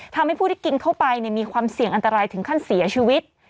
ทำให้ผู้ที่กินเข้าไปมีความเสี่ยงอันตรายถึงขั้นเสียชีวิต